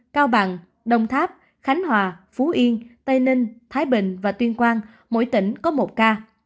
cao bằng đồng tháp khánh hòa phú yên tây ninh thái bình và tuyên quang mỗi tỉnh có một ca